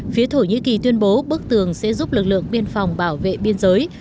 phía thổ nhĩ kỳ tuyên bố bức tường sẽ giúp lực lượng biên phòng bảo vệ biên giới